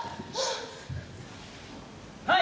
はい！